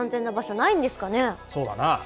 そうだな。